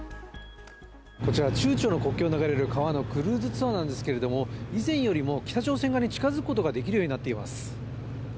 こちら中朝の国境を流れる川の、クルーズツアーなんですけれども、以前よりも北朝鮮側に近付くことができるようになっています。